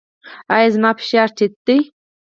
ایا زما فشار ټیټ دی؟